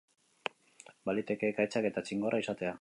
Baliteke ekaitzak eta txingorra izatea.